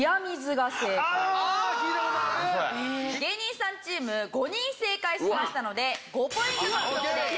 芸人さんチーム５人正解しましたので５ポイント獲得です。